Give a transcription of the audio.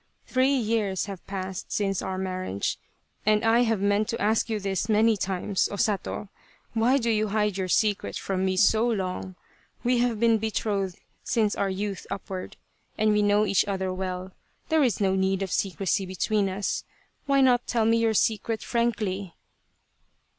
Three years have passed since our marriage, and I have meant to ask you this many times, O Sato ! Why do you hide your secret from me so long ? We have been betrothed since our youth upward, and we know each 162 Tsubosaka other well. There is no need of secrecy between us. Why not tell me your secret frankly